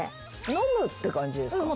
飲むって感じですか？